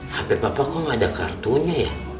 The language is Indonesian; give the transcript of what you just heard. hape papa kok gak ada kartunya ya